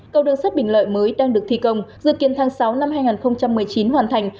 cầu đường sắt bình lợi mới đang được thi công dự kiến tháng sáu năm hai nghìn một mươi chín hoàn thành